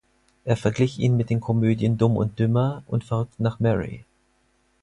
Er verglich ihn mit den Komödien Dumm und Dümmer und Verrückt nach Mary.